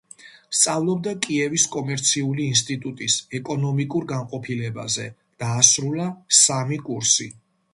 სწავლობდა კიევის კომერციული ინსტიტუტის ეკონომიკურ განყოფილებაზე; დაასრულა სამი კურსი.